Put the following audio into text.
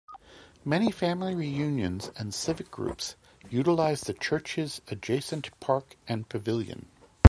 Many family reunions and civic groups utilize the church's adjacent park and pavilion.